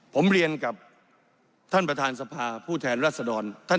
ผมเรียนกับท่านประธานสภาผู้แทนรัศดร